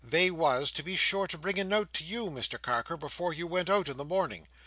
They was, to be sure and bring a note to you, Mr Carker, before you went out in the morning.